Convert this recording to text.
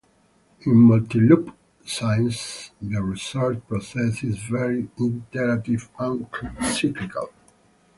In multi-loop science, the research process is more iterative and cyclical.